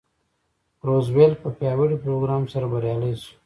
روزولټ په پیاوړي پروګرام سره بریالی شو.